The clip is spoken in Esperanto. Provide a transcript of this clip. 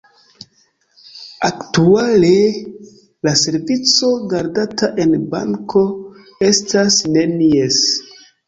Aktuale la servico, gardata en banko, estas nenies.